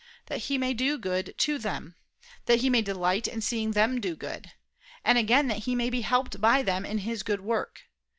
that he may do good to them; that he may delight in seeing them do good; and again that he may be helped by them in his good work.